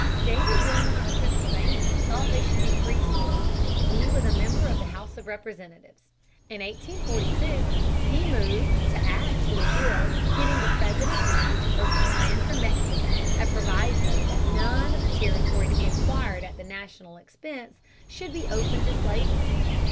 David Wilmot of Pennsylvania thought that they should be free soil. He was a member of the House of Representatives. In 1846 he moved to add to a bill giving the President money to purchase land from Mexico a proviso that none of the territory to be acquired at the national expense should be open to slavery.